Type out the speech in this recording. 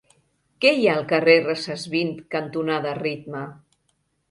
Què hi ha al carrer Recesvint cantonada Ritme?